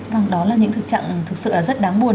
vâng đó là những thực trạng thực sự là rất đáng buồn